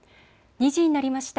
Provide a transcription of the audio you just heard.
２時になりました。